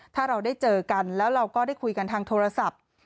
ถ้าเราได้เจอกันแล้วเราก็ได้คุยกันทางโทรศัพท์